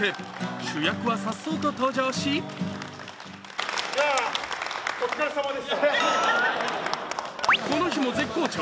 主役はさっそうと登場しこの日も絶好調。